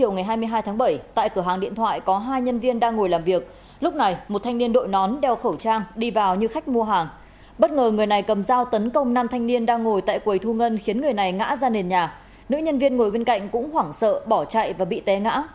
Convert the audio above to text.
nữ nhân viên ngồi bên cạnh cũng hoảng sợ bỏ chạy và bị té ngã